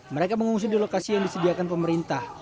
mereka mengungsi di lokasi yang disediakan pemerintah